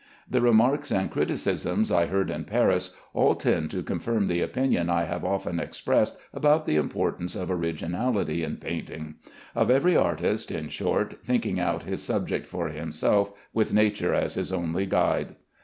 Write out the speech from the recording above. The remarks and criticisms I heard in Paris all tend to confirm the opinion I have often expressed about the importance of originality in painting; of every artist, in short, thinking out his subject for himself, with nature as his only guide.